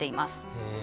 へえ。